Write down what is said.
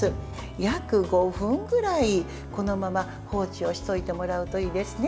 約５分ぐらい、このまま放置をしておいてもらうといいですね。